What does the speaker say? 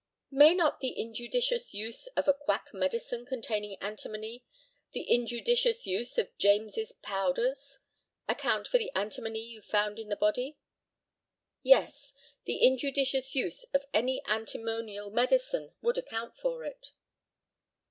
May not the injudicious use of a quack medicine containing antimony, the injudicious use of James's powders, account for the antimony you found in the body? Yes; the injudicious use of any antimonial medicine would account for it.